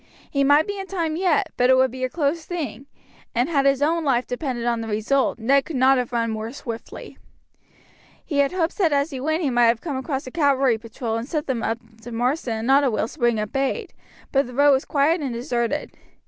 He might be in time yet, but it would be a close thing; and had his own life depended upon the result Ned could not have run more swiftly. He had hopes that as he went he might have come across a cavalry patrol and sent them to Marsden and Ottewells to bring up aid; but the road was quiet and deserted.